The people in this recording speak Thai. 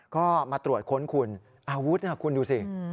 ก็มาตรวจค้นคุณอาวุธคุณดูสิ